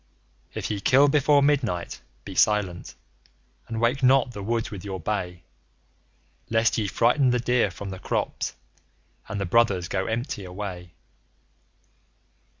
If ye kill before midnight, be silent, and wake not the woods with your bay, Lest ye frighten the deer from the crops, and the brothers go empty away.